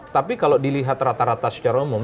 tapi kalau dilihat rata rata secara umum